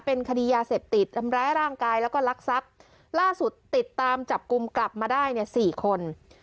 เป็นคดียาเสพติดทำร้ายร่างกายแล้วก็รักทรัพย์ล่าสุดติดตามจับกลุ่มกลับมาได้เนี่ยสี่คน